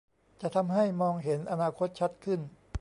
จะทำให้มองเห็นอนาคตชัดขึ้น